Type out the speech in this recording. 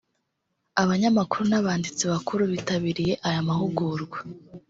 Abanyamakuru n’abanditsi bakuru bitabiriye aya mahugurwa